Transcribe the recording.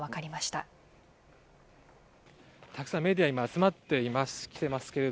たくさんメディアが集まっています。